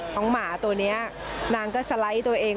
หมาตัวนี้นางก็สไลด์ตัวเอง